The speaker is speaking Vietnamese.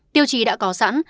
tiêu chí đã có sẵn